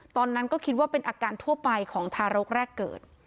ตอนนั้นก็คิดว่าเป็นอาการทั่วไปของทารกแรกเกิด